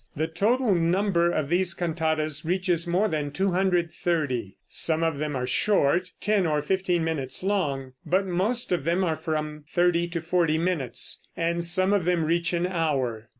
The total number of these cantatas reaches more than 230. Some of them are short, ten or fifteen minutes long, but most of them are from thirty to forty minutes, and some of them reach an hour.